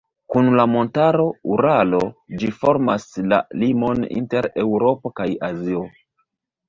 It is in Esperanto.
Kun la montaro Uralo ĝi formas la limon inter Eŭropo kaj Azio.